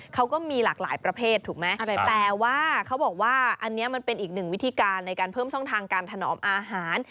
เขาก็มีหลากหลายประเภทถูกไหมแต่ว่าเขาบอกว่าอันนี้มันเป็นอีกหนึ่งวิธีการในการเพิ่มช่องทางการถนอมอาหาร